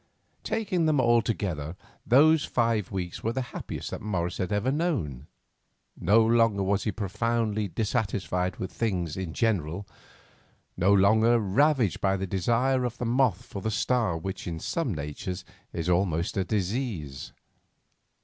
Taking them all together, those five weeks were the happiest that Morris had ever known. No longer was he profoundly dissatisfied with things in general, no longer ravaged by that desire of the moth for the star which in some natures is almost a disease.